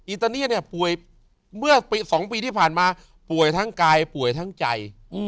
อีทานียันเนี่ยป่วยเมื่อสองปีที่ผ่านมาป่วยทั้งกายนทั้งใจ